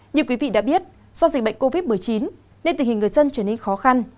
như quý vị đã biết do dịch bệnh covid một mươi chín nên tình hình người dân trở nên khó khăn